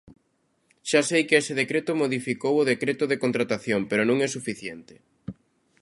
Xa sei que ese decreto modificou o Decreto de contratación, pero non é suficiente.